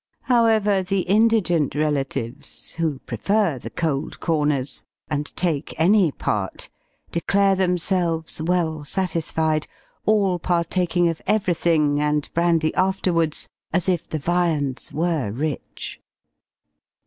However, the indigent relatives, who prefer the cold corners, and take "any part," declare themselves well satisfied: all partaking of everything, and brandy afterwards, as if the viands were rich.